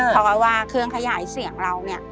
เพราะว่าเครื่องขยายเสียงเราเนี่ย